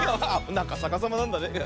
さかさまなんだね。